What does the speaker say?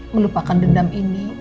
melupakan dendam ini